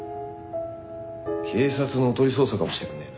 警察のおとり捜査かもしれねえ。